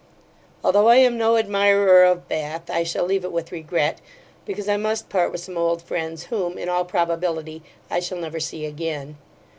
Although I am no admirer of Bath, I shall leave it with regret; because I must part with some old friends, whom, in all probability, I shall never see again.